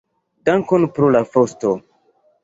Dankon pro la fosto.